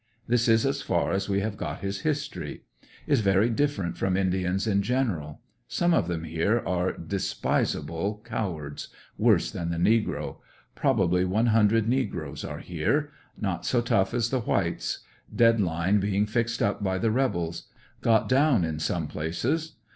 This is as far as we have got his history. Is very different from Indians in general. Some of them here are despisable cowards — worse than the negro. Probably one hundred negroes are here. Not so tough as the whites. Dead line being fixed up by the rebels. Got down in some places.